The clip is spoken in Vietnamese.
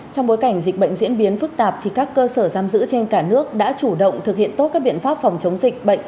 trong bối cảnh dịch bệnh diễn biến phức tạp các cơ sở giam giữ trên cả nước đã chủ động thực hiện tốt các biện pháp phòng chống dịch bệnh